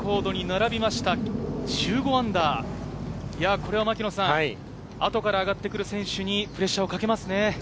これは後から上がってくる選手にプレッシャーをかけますね。